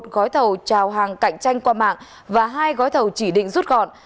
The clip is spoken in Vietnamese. gói thầu trào hàng cạnh tranh qua mạng và hai gói thầu chỉ định rút gọn